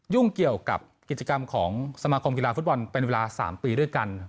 ยุ่งเกี่ยวกับกิจกรรมของสมาคมกีฬาฟุตบอลเป็นเวลา๓ปีด้วยกัน